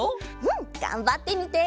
うんがんばってみて！